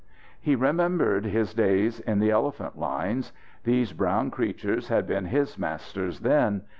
He remembered his days in the elephant lines. These brown creatures had been his masters then.